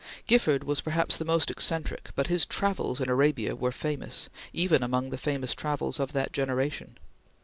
Gifford was perhaps the most eccentric, but his "Travels" in Arabia were famous, even among the famous travels of that generation.